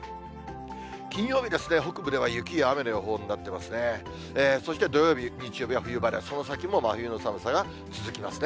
金曜日ですね、北部では雪や雨の予報になってますね。